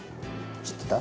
知ってた？